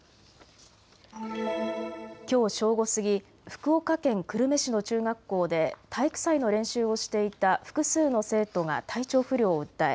きょう正午過ぎ、福岡県久留米市の中学校で体育祭の練習をしていた複数の生徒が体調不良を訴え